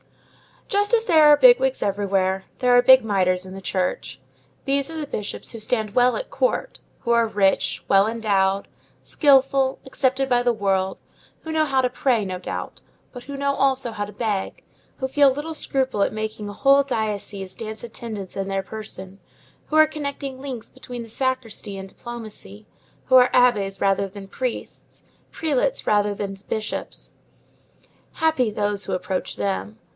Just as there are bigwigs elsewhere, there are big mitres in the Church. These are the bishops who stand well at Court, who are rich, well endowed, skilful, accepted by the world, who know how to pray, no doubt, but who know also how to beg, who feel little scruple at making a whole diocese dance attendance in their person, who are connecting links between the sacristy and diplomacy, who are abbés rather than priests, prelates rather than bishops. Happy those who approach them!